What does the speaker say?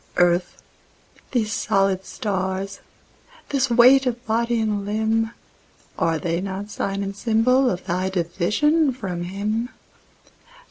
Earth, these solid stars, this weight of body and limb, Are they not sign and symbol of thy division from Him?